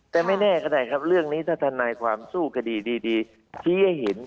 แต่ไม่แน่ก็ได้ครับเรื่องนี้ถ้าทนายความสู้คดีดีชี้ให้เห็น